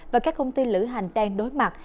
và các công ty lửa hành đang đối mặt